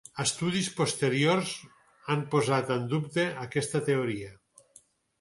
Estudis posteriors han posat en dubte aquesta teoria.